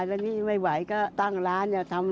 แล้วนี่ไม่ไหวก็ตั้งร้านทำร้านขาย